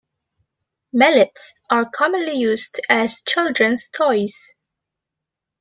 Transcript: Mallets are commonly used as children's toys.